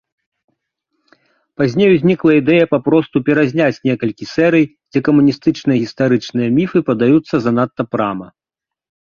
Пазней узнікла ідэя папросту перазняць некалькі серый, дзе камуністычныя гістарычныя міфы падаюцца занадта прама.